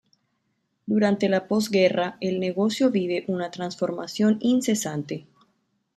Durante la posguerra el negocio vive una transformación incesante.